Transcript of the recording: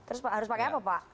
terus harus pakai apa pak